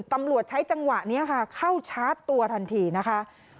ตำรวจใช้จังหวะนี้ค่ะเข้าชาร์จตัวทันทีนะคะ